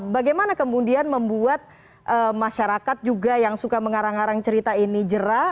bagaimana kemudian membuat masyarakat juga yang suka mengarang arang cerita ini jerah